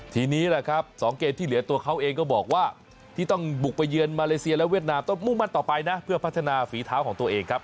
ทีนี้แหละครับ๒เกมที่เหลือตัวเขาเองก็บอกว่าที่ต้องบุกไปเยือนมาเลเซียและเวียดนามต้องมุ่งมั่นต่อไปนะเพื่อพัฒนาฝีเท้าของตัวเองครับ